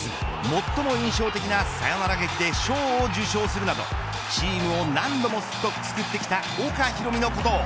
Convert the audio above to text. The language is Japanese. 最も印象的なサヨナラ劇で賞を受賞するなどチームを何度も救ってきた岡大海のことを